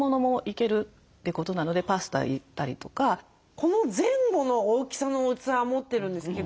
この前後の大きさの器は持ってるんですけど。